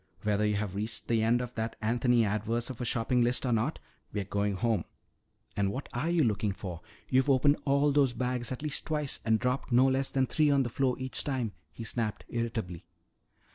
Whether you have reached the end of that Anthony Adverse of a shopping list or not, we're going home! And what are you looking for? You've opened all those bags at least twice and dropped no less than three on the floor each time," he snapped irritably.